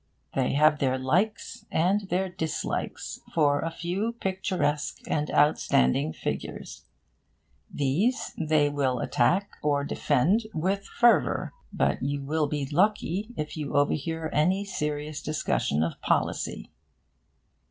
They have their likes and their dislikes for a few picturesque and outstanding figures. These they will attack or defend with fervour. But you will be lucky if you overhear any serious discussion of policy.